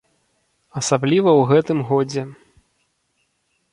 Асабліва ў гэтым годзе.